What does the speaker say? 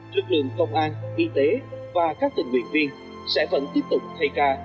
lực lượng công an y tế và các tình nguyện viên sẽ vẫn tiếp tục thay ca